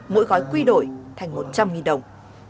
mỗi gói quy đổi thành một trăm linh đồng